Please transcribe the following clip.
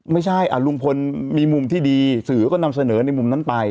ไม่ใช่ลุงพลมีมุมที่ดีสื่อก็นำเสนอในมุมนั้นไป